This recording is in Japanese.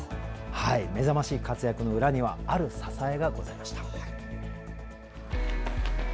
目覚ましい活躍の裏にはある支えがありました。